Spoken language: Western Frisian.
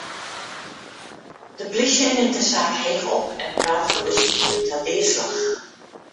De plysje nimt de saak heech op en praat fan besykjen ta deaslach.